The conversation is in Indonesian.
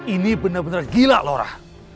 ini bener bener gila laura